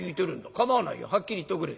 構わないよはっきり言っておくれ。